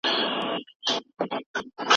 که اخلاق خراب سي ټولنه له منځه ځي.